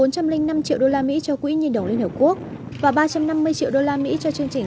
bốn trăm linh năm triệu đô la mỹ cho quỹ nhi đồng liên hợp quốc và ba trăm năm mươi triệu đô la mỹ cho chương trình